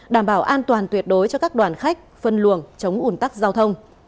đảm bảo an toàn tuyệt đối cho các đoàn khách phân luồng chống ủn tắc giao thông